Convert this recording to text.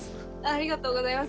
ありがとうございます。